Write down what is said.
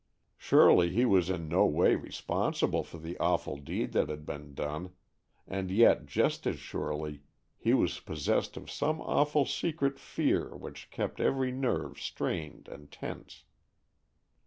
Surely he was in no way responsible for the awful deed that had been done, and yet just as surely he was possessed of some awful secret fear which kept every nerve strained and tense.